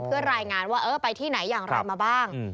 เพื่อรายงานว่าเออไปที่ไหนอย่างไรมาบ้าง